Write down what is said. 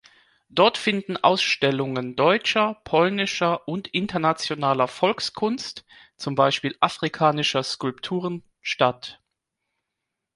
Dort finden Ausstellungen deutscher, polnischer und internationaler Volkskunst, zum Beispiel afrikanischer Skulpturen, statt.